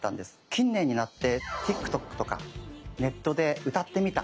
近年になってＴｉｋＴｏｋとかネットで「歌ってみた」